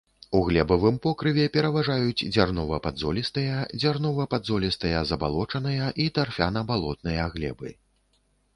У глебавым покрыве пераважаюць дзярнова-падзолістыя, дзярнова-падзолістыя забалочаныя і тарфяна-балотныя глебы.